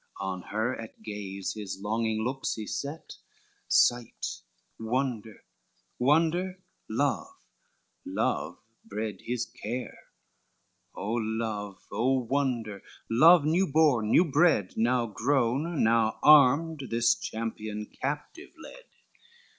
On her at gaze his longing looks he set, Sight, wonder; wonder, love; love bred his care; O love, o wonder; love new born, new bred, Now groan, now armed, this champion captive led.